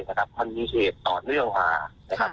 สำหรับมีเหตุตอเนื่องกัน